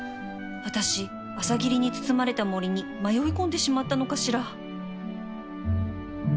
私朝霧に包まれた森に迷い込んでしまったのかしら？